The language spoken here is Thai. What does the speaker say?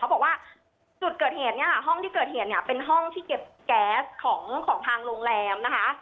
บอกว่าจุดเกิดเหตุเนี่ยค่ะห้องที่เกิดเหตุเนี่ยเป็นห้องที่เก็บแก๊สของทางโรงแรมนะคะ